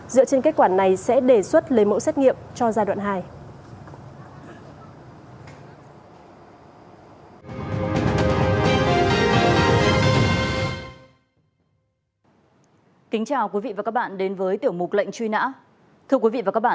dựa trên kết quả này sẽ đề xuất lấy mẫu xét nghiệm cho giai đoạn hai